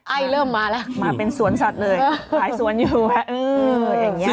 ไอ้เริ่มมาแล้วมาเป็นสวนสัตว์เลยขายสวนอยู่แล้วเอออย่างเงี้